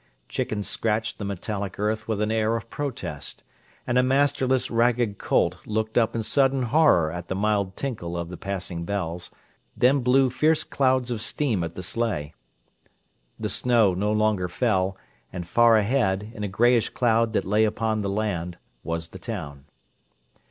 Chickens scratched the metallic earth with an air of protest, and a masterless ragged colt looked up in sudden horror at the mild tinkle of the passing bells, then blew fierce clouds of steam at the sleigh. The snow no longer fell, and far ahead, in a grayish cloud that lay upon the land, was the town.